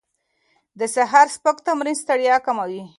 د سهار سپک تمرین ستړیا کموي.